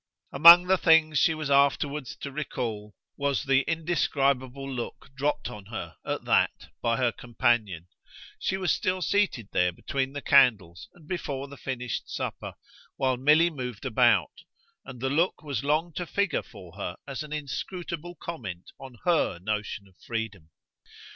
Among the things she was afterwards to recall was the indescribable look dropped on her, at that, by her companion; she was still seated there between the candles and before the finished supper, while Milly moved about, and the look was long to figure for her as an inscrutable comment on HER notion of freedom.